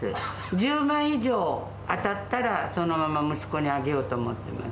１０万円以上当たったら、そのまま息子にあげようと思っています。